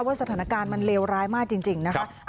สถานการณ์มันเลวร้ายมากจริงนะคะ